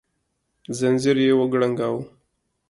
ځنځير يې وکړانګاوه